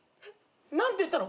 何て言ったの？